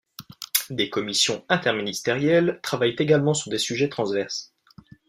Des commissions interministérielles travaillent également sur des sujets transverses.